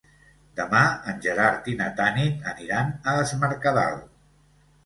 Demà en Gerard i na Tanit aniran a Es Mercadal.